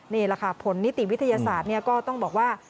นี่แหละค่ะผลนิติวิทยาศาสตร์ก็ต้องบอกว่า